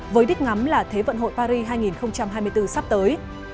với đích ngắm là thế vận hội paris hai nghìn hai mươi bốn sắp tới